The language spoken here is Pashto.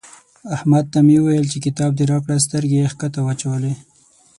احمد ته مې وويل چې کتاب دې راکړه؛ سترګې يې کښته واچولې.